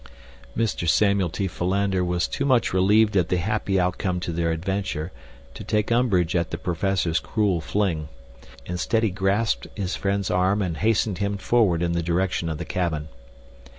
Mr. Samuel T. Philander was too much relieved at the happy outcome to their adventure to take umbrage at the professor's cruel fling. Instead he grasped his friend's arm and hastened him forward in the direction of the cabin.